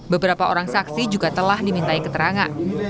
beberapa orang saksi juga telah dimintai keterangan